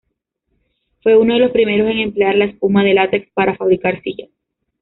Fue uno de los primeros en emplear la espuma de látex para fabricar sillas.